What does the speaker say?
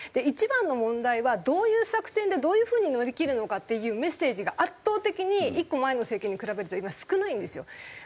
一番の問題はどういう作戦でどういう風に乗り切るのかっていうメッセージが圧倒的に１個前の政権に比べると今少ないんですよ。